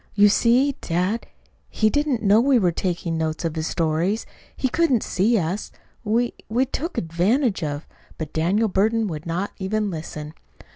"You see, dad, he didn't know we were taking notes of his stories. He couldn't see us. We we took advantage of " But Daniel Burton would not even listen.